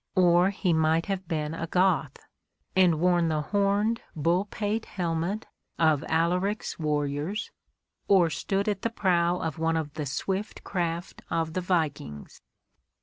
Or he might have been a Goth, and worn the horned bull pate helmet of Alaric's warriors, or stood at the prow of one of the swift craft of the vikings.